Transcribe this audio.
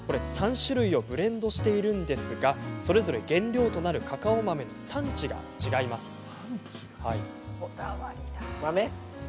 ３種類をブレンドしているのですがそれぞれ原料となるカカオ豆の産地が違います。